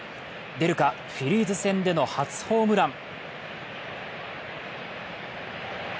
出るか、フィリーズ戦での初ホームラン。